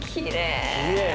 きれい。